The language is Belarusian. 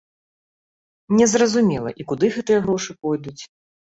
Незразумела, і куды гэтыя грошы пойдуць.